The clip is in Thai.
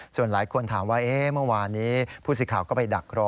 ส่วนหลายคนถามว่าเมื่อวานนี้ผู้สิทธิ์ข่าวก็ไปดักรอ